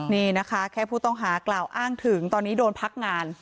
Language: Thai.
นี่นะคะแค่ผู้ต้องหากล่าวอ้างถึงตอนนี้โดนพักงาน